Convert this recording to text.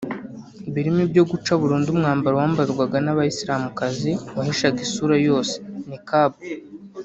birimo ibyo guca burundu umwambaro wambarwaga n’Abayisilamukazi wahishaga isura yose (Niqab)